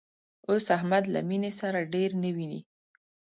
اوس احمد له مینې سره ډېر نه ویني